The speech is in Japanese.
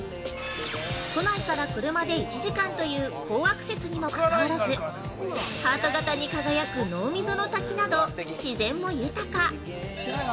都内から車で１時間という好アクセスにもかかわらずハート型に輝く、濃溝の滝など、自然も豊か。